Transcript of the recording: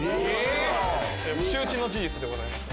周知の事実でございます。